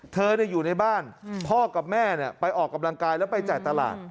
อยู่ในบ้านพ่อกับแม่ไปออกกำลังกายแล้วไปจ่ายตลาด